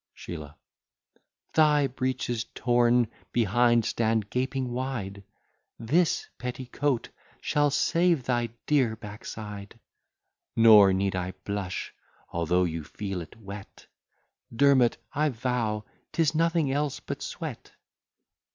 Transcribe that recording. SHEELAH Thy breeches, torn behind, stand gaping wide; This petticoat shall save thy dear backside; Nor need I blush; although you feel it wet, Dermot, I vow, 'tis nothing else but sweat.